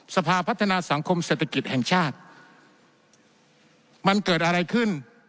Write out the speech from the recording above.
สภาพัฒนาสังคมเศรษฐกิจแห่งชาติมันเกิดอะไรขึ้น